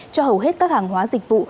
cho hầu hết các hàng hóa dịch vụ